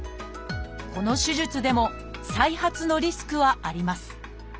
この手術でも再発のリスクはあります